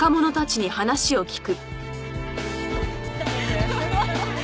ハハハハ。